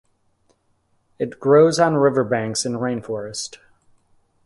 It grows on river banks in rainforest.